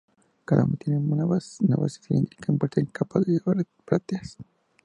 Cada uno tiene una base cilíndrica envuelta en una capa de brácteas.